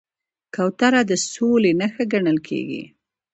کوتره د سولې نښه ګڼل کېږي.